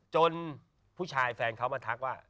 ผู้ชายแฟนเขามาทักว่า